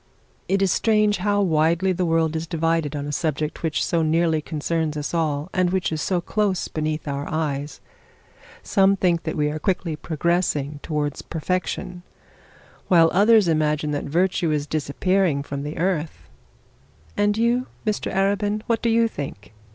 It is strange how widely the world is divided on a subject which so nearly concerns us all, and which is so close beneath our eyes. Some think that we are quickly progressing towards perfection, while others imagine that virtue is disappearing from the earth.' 'And you, Mr Arabin, what do you think?'